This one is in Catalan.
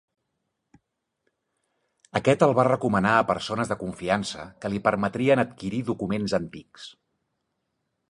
Aquest el va recomanar a persones de confiança que li permetrien adquirir documents antics.